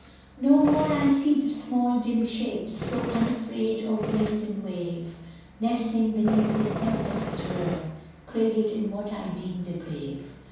No more I see the small, dim shapes, So unafraid of wind and wave, Nestling beneath the tempest's roar, Cradled in what I deemed a grave.